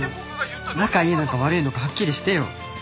仲いいのか悪いのかはっきりしてよ。